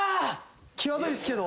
際どいっすけど。